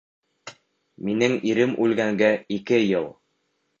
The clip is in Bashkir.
Минең ирем үлгәнгә ике йыл.